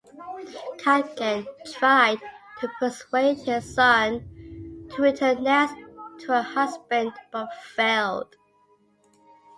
Cadwgan tried to persuade his son to return Nest to her husband but failed.